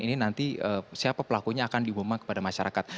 ini nanti siapa pelakunya akan diumumkan kepada masyarakat